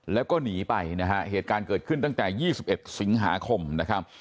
แล้วก็หนีไปนะฮะเหตุการณ์เกิดขึ้นตั้งแต่๒๑สิงหาคมนะครับ